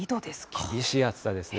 厳しい暑さですね。